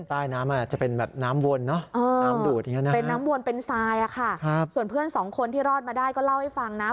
ใต้น้ำจะเป็นน้ำวนเนาะเป็นน้ำวนเป็นซายค่ะส่วนเพื่อนสองคนที่รอดมาได้ก็เล่าให้ฟังนะ